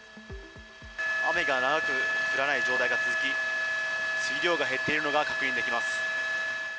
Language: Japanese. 雨が長く降らない状態が続き、水量が減っているのが確認できます。